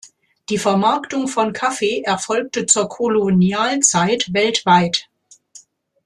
Die Vermarktung von Kaffee erfolgte zur Kolonialzeit weltweit.